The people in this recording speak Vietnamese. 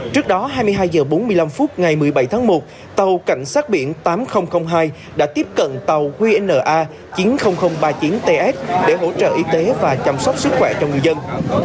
trước đó hai mươi hai h bốn mươi năm phút ngày một mươi bảy tháng một tàu cảnh sát biển tám nghìn hai đã tiếp cận tàu qna chín mươi nghìn ba mươi chín ts để hỗ trợ y tế và chăm sóc sức khỏe cho ngư dân